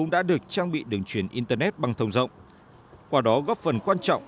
đường truyền internet bằng thông rộng qua đó góp phần quan trọng